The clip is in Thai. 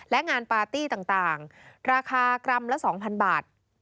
และงานปาร์ตี้ต่างราคากรัมละ๒๐๐บาท